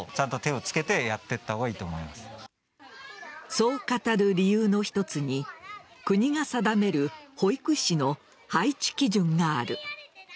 そう語る理由の一つに国が定める保育士の配置基準がある。